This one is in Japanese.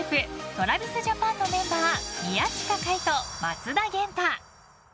ＴｒａｖｉｓＪａｐａｎのメンバー宮近海斗、松田元太。